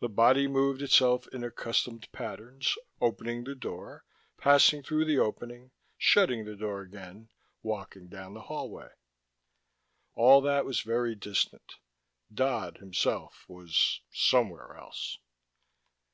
The body moved itself in accustomed patterns, opening the door, passing through the opening, shutting the door again, walking down the hallway. All that was very distant. Dodd, himself, was somewhere else.